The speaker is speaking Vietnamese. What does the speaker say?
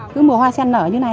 cứ mùa hoa sen nở như thế này